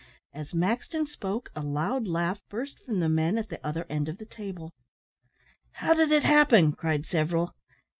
As Maxton spoke, a loud laugh burst from the men at the other end of the table. "How did it happen?" cried several.